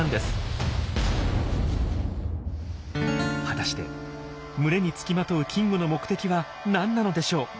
果たして群れにつきまとうキングの目的は何なのでしょう？